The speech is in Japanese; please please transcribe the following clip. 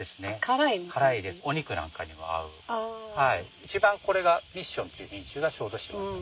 一番これがミッションっていう品種が小豆島でたくさん育ててる。